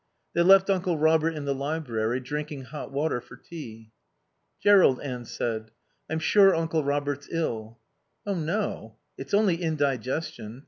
They left Uncle Robert in the library, drinking hot water for tea. "Jerrold," Anne said, "I'm sure Uncle Robert's ill." "Oh no. It's only indigestion.